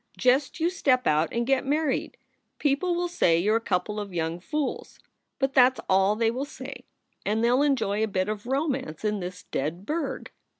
Just you step out and get married. People will say you re a couple of young fools. But that s all they will say, and they ll enjoy a bit of romance in this dead burg."